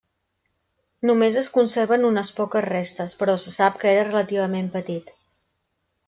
Només es conserven unes poques restes, però se sap que era relativament petit.